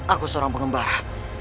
aku seorang pengembara